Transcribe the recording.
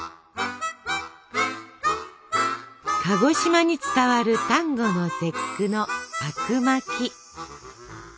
鹿児島に伝わる端午の節句のあくまき。